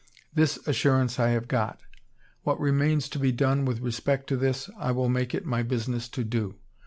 This assurance I have got. What remains to be done with respect to this, I will make it my business to do.